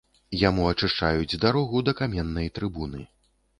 Яму ачышчаюць дарогу да каменнай трыбуны.